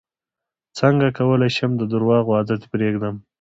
څنګه کولی شم د درواغو عادت پرېږدم